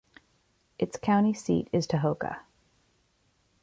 Its county seat is Tahoka.